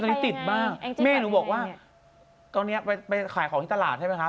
ปุ๊บ้าติดบ้างเม่ต้องบอกว่าตอนนี้ลงไปขายของในตลาดใช่ไหมฮะ